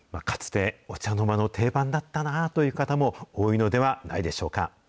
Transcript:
かつて、お茶の間の定番だったなという方も多いのではないでしょうか。